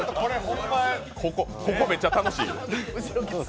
ここ、めちゃ楽しいよ。